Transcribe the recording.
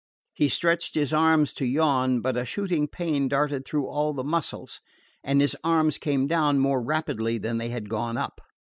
He stretched his arms to yawn; but a shooting pain darted through all the muscles, and his arms came down more rapidly than they had gone up.